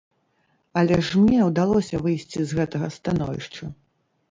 Але ж мне ўдалося выйсці з гэтага становішча.